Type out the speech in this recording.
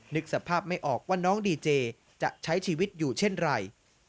นึกสภาพไม่ออกว่าน้องดีเจจะใช้ชีวิตอยู่เช่นไร